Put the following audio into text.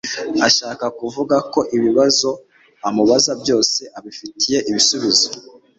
ashaka kuvuga ko ibibazo amubaza byose abifitiye ibisubizo